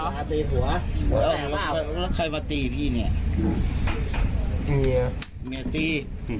ฝาตีหัวแล้วแล้วแล้วใครมาตีพี่เนี่ยมีเมียมีเมียตีอ๋อ